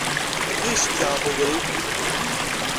Amek ay asen-yeɛreq ubrid?